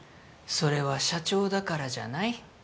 それは社長だからじゃない？